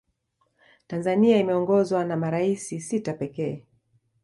tanzania imeongozwa na maraisi sita pekee